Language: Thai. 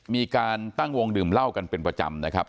มีการตั้งวงดื่มเหล้ากันเป็นประจำนะครับ